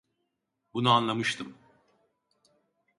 Bunu anlamıştım.